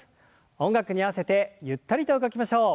音楽に合わせてゆったりと動きましょう。